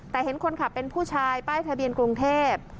แต่เห็นคนขับเป็นผู้ชายป้ายทะเบียนกรุงเทพ